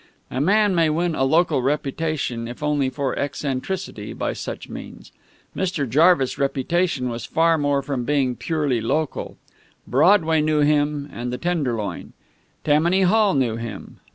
A man may win a local reputation, if only for eccentricity, by such means. Mr. Jarvis' reputation was far from being purely local. Broadway knew him, and the Tenderloin. Tammany Hall knew him.